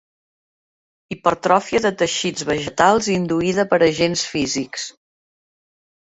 Hipertròfia de teixits vegetals induïda per agents físics.